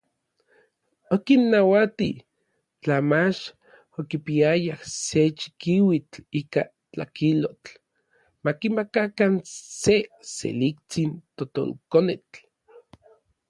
Okinnauati, tla mach okipiayaj se chikiuitl ika tlakilotl, makimakakan se seliktsin totolkonetl.